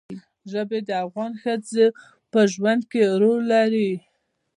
ژبې د افغان ښځو په ژوند کې رول لري.